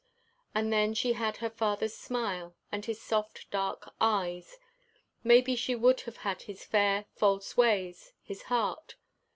And then she had her father's smile, and his soft, dark eyes, Maybe she would have had his fair, false ways his heart.